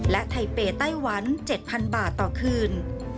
และไทเปย์ไต้หวัน๗๐๐บาทต่อคืน